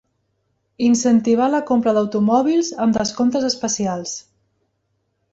Incentivar la compra d'automòbils amb descomptes especials.